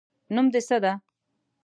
نوم د څه ده